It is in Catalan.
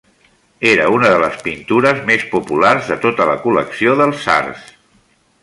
Era una de les pintures més populars de tota la col·lecció dels tsars.